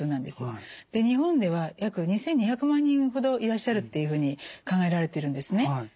で日本では約２，２００万人ほどいらっしゃるっていうふうに考えられてるんですね。